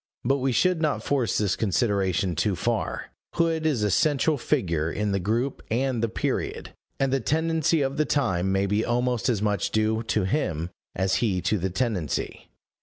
But we should not force this consideration too far: Hood is a central figure in the group and the period, and the tendency of the time may be almost as much due to him as he to the tendency.